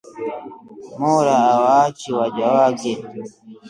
Mola hawaachi waja wake